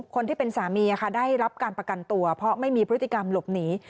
คนที่เป็นสามีได้รับการประกันตัวเพราะไม่มีพฤติกรรมหลบหนี